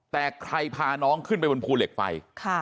แต่ใครพาน้องขึ้นไปบนภูเหล็กไฟ